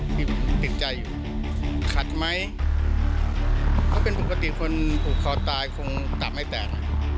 ติดใจอยู่ขัดไหมถ้าเป็นปกติคนผูกคอตายคงตับไม่แตก